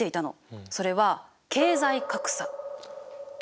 それは経済格差？